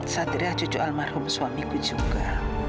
sadera cucu almarhum suamiku juga